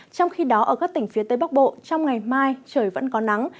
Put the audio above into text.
trong khi đó ở các tỉnh phía tây bắc bộ trong ngày mai trời vẫn có nắng